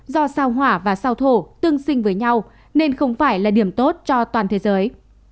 do sao hỏa và sao thổ tương sinh với nhau nên không phải là điểm tốt cho toàn thế giới